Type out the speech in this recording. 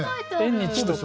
縁日とか。